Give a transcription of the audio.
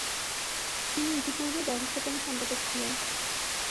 তিনি ইতিপূর্বে ব্যবস্থাপনা সম্পাদক ছিলেন।